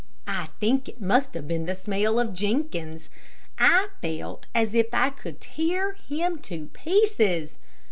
I think it must have been the smell of Jenkins. I felt as if I could tear him to pieces.